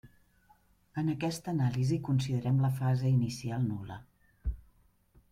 En aquesta anàlisi, considerem la fase inicial nul·la.